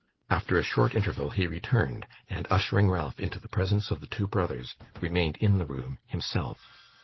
After a short interval, he returned, and, ushering Ralph into the presence of the two brothers, remained in the room himself.